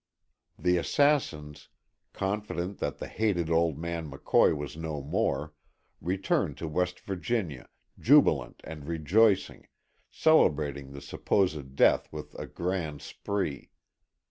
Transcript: The assassins, confident that the hated old man McCoy was no more, returned to West Virginia, jubilant and rejoicing, celebrating the supposed death with a grand spree.